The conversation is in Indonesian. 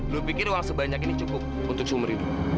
lo pikir uang sebanyak ini cukup untuk sumerin lo